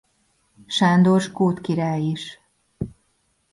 Sándor skót király is.